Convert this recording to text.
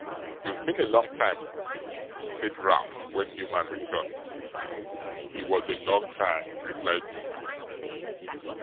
'You've been a long time,' said Ralph, when Newman returned. 'HE was a long time,' replied Newman.